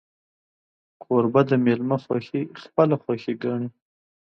کوربه د میلمه خوښي خپله خوښي ګڼي.